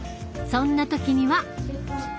そんな時には。